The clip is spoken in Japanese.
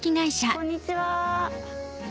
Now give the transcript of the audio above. こんにちは。